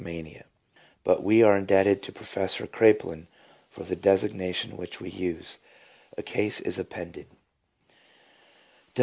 267 mania, but we are indebted to Professor Kraepelin for the designation which we use. A case is appended.